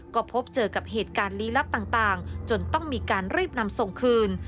ก็พบเจอกับเหตุการณ์ลี้ลับต่างจนต้องมีการรีบนำส่งคืน